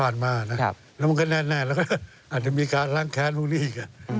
มานะแล้วมันก็แน่แล้วก็อาจจะมีการล้างแค้นพวกนี้อีก